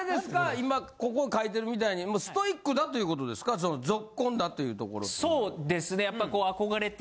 今ここ書いてるみたいにストイックだということですかぞっこんだというところっていうのは。